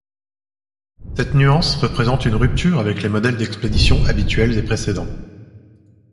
Cette nuance représente une rupture avec les modèles d'expédition habituels et précédents.